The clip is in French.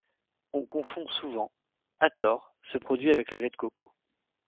On confond souvent, à tort, ce produit avec le lait de coco.